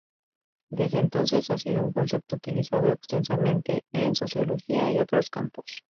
Desde entonces ha sido un concepto utilizado extensamente en sociología y otros campos.